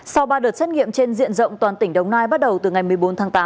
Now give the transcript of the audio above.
sau ba đợt xét nghiệm trên diện rộng toàn tỉnh đồng nai bắt đầu từ ngày một mươi bốn tháng tám